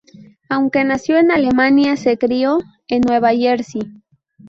Aunque nació en Alemania, se crio en Nueva Jersey.